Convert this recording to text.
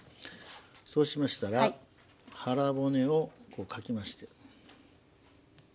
そうしましたら腹骨をこうかきまして。